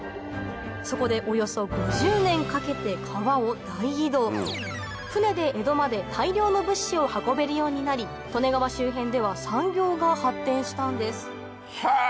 そこでおよそ５０年かけて川を大移動舟で江戸まで大量の物資を運べるようになり利根川周辺では産業が発展したんですへぇ！